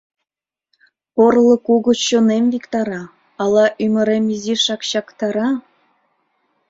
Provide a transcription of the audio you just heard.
Порылык угыч чонем виктара, Ала ӱмырем изишак чактара?